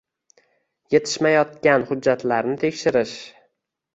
etishmayotgan hujjatlarni tekshirish;